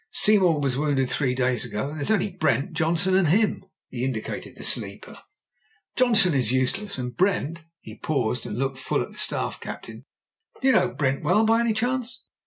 Seymour was wounded three days ago, and there's only Brent, Johnson, and him" — ^he indicated the sleeper. "Johnson is useless, and Brent " He paused, and looked full at the Staff captain. "Do you know Brent well, by any chance